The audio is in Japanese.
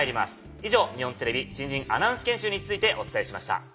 以上日本テレビ新人アナウンス研修についてお伝えしました。